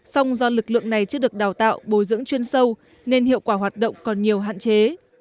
song do lực lượng này chưa được đào tạo bồi dưỡng chuyên sâu nên hiệu quả hoạt động còn nhiều hạn chế